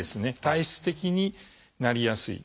体質的になりやすい。